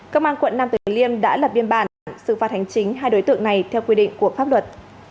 công an quận nam tử liêm đã lập biên bản sự phạt hành chính hai đối tượng này theo quy định của pháp luật